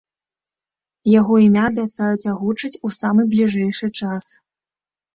Яго імя абяцаюць агучыць у самы бліжэйшы час.